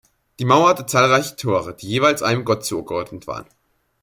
Die Mauer hatte zahlreiche Tore, die jeweils einem Gott zugeordnet waren.